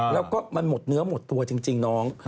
แล้วก็มันหมดเนื้อหมดตัวจริงน้อง